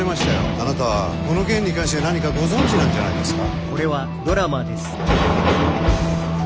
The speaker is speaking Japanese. あなたはこの件に関して何かご存じなんじゃないですか？